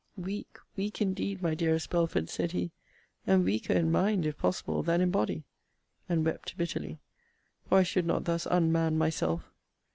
Weak, weak, indeed, my dearest Belford, said he, and weaker in mind, if possible, than in body; and wept bitterly or I should not thus unman myself.